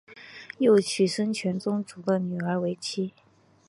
又娶孙权宗族的女儿为妻。